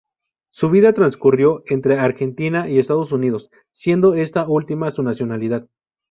Su vida transcurrió entre Argentina y Estados Unidos, siendo esta última su nacionalidad.